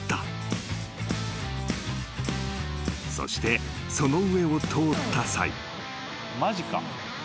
［そしてその上を通った際］